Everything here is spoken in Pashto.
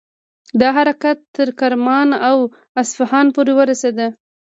دا حرکت تر کرمان او اصفهان پورې ورسید.